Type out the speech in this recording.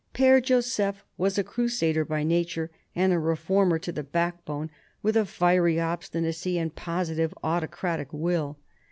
P^re Joseph was a crusader by nature, and a reformer to the backbone, with a fiery obstinacy and positive, autocratic will.